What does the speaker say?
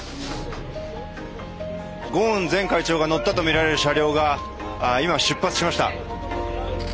ゴーン前会長が乗ったとみられる車両が今出発しました。